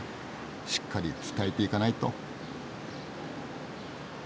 しっかり伝えていかないと。